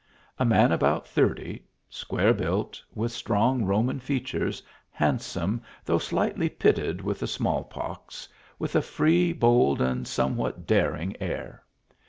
A man about thirty, square built, with strong Roman features, hand some, though slightly pitted with the small pox, with a free, bold and somewhat daring air.